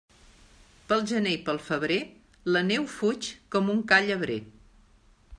Pel gener i pel febrer, la neu fuig com un ca llebrer.